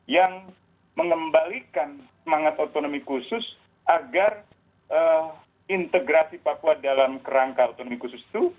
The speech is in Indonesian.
yang mengembalikan semangat otonomi khusus agar integrasi papua dalam kerangka otonomi khusus itu